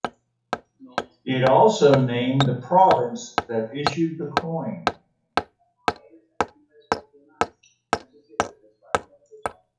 It also named the province that issued the coin.